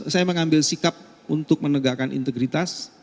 saya mengambil sikap untuk menegakkan integritas